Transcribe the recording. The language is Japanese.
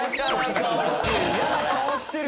嫌な顔してる！